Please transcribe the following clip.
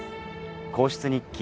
『皇室日記』